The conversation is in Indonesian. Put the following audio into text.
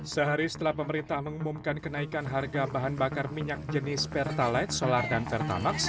sehari setelah pemerintah mengumumkan kenaikan harga bahan bakar minyak jenis pertalite solar dan pertamax